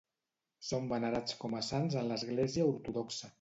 Són venerats com a sants en l'Església ortodoxa.